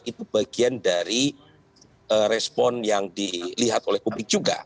itu bagian dari respon yang dilihat oleh publik juga